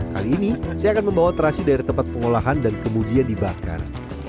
kali ini saya akan membawa terasi dari tempat pengolahan dan kemudian dibakar